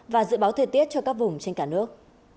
và dự báo thời tiết cho các vùng trên cả nước